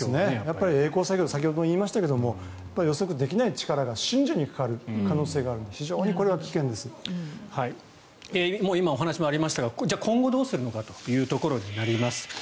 えい航作業先ほども言いましたが予測できない力が瞬時にかかる可能性がある今お話もありましたが今後、どうするのかというところになります。